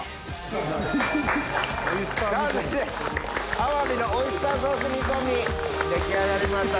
アワビのオイスターソース煮込み出来上がりました。